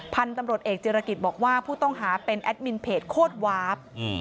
พันธุ์ตำรวจเอกจิรกิจบอกว่าผู้ต้องหาเป็นแอดมินเพจโคตรวาฟ